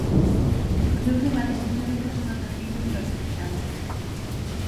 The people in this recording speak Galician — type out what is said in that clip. Os seus lugares históricos son atractivos para os visitantes.